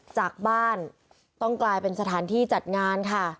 จากบ้านต้องกลายเป็นสถานที่จัดงานค่ะ